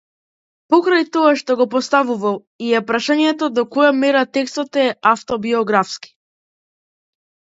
Покрај тоа го поставувал и прашањето до која мера текстот е автобиографски.